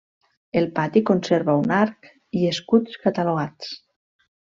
El pati conserva un arc i escuts catalogats.